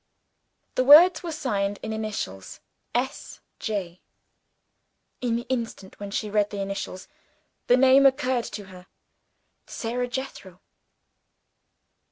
The words were signed in initials: "S. J." In the instant when she read the initials, the name occurred to her. Sara Jethro.